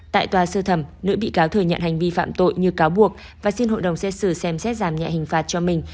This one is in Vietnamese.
tại tòa sơ thẩm nữ bị cáo thừa nhận hành vi phạm tội như cáo buộc và xin hội đồng xét xử xem xét giảm nhẹ hình phạt cho mình